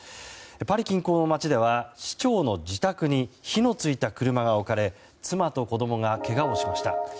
パリ近郊の町では市長の自宅に火のついた車が置かれ妻と子供がけがをしました。